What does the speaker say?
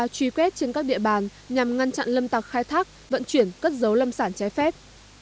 truy quét trên các địa bàn nhằm ngăn chặn lâm tặc khai thác vận chuyển cất dấu lâm sản trái phép